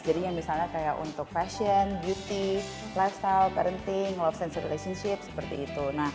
jadi misalnya kayak untuk fashion beauty lifestyle parenting love sense relationship seperti itu